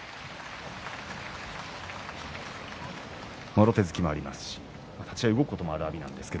もろ手突きもありますし立ち合い、動くことがある阿炎なんですが。